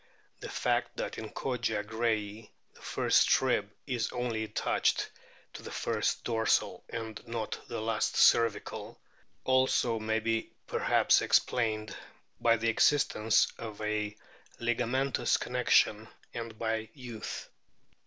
The fact that in Kogia grayi the first rib is only attached to the first dorsal and not to the last cervical also may be perhaps explained by the existence of a ligamentous connection and by youth.